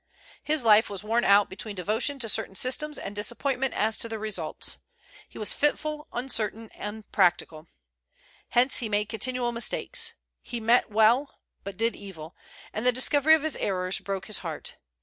"His life was worn out between devotion to certain systems and disappointment as to their results. He was fitful, uncertain, and unpractical. Hence he made continual mistakes. He meant well, but did evil, and the discovery of his errors broke his heart.